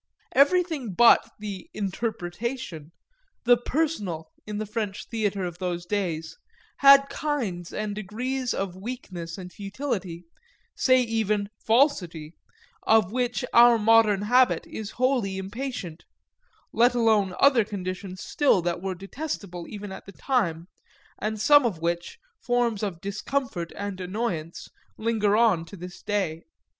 Everything but the "interpretation," the personal, in the French theatre of those days, had kinds and degrees of weakness and futility, say even falsity, of which our modern habit is wholly impatient let alone other conditions still that were detestable even at the time, and some of which, forms of discomfort and annoyance, linger on to this day.